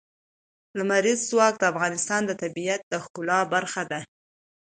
لمریز ځواک د افغانستان د طبیعت د ښکلا برخه ده.